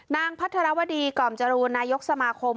นางพัทรวดีก่อมจรุนายกสมาคม